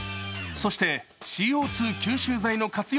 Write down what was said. そして、ＣＯ２吸収剤の活用